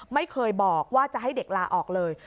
ไม่เคยบอกว่าจะให้เด็กลาออกเลย